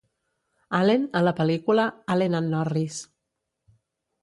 Allen a la pel·lícula "Allen and Norris".